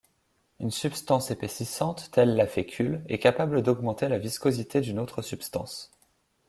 Une substance épaississante, telle la fécule, est capable d'augmenter la viscosité d'une autre substance.